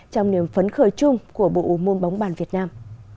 trong niềm phấn khởi chung của bộ môn bóng bàn việt nam